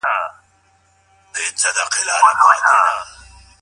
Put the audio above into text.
مشران وايي چي پخوانی ژوند ډېر با برکته و.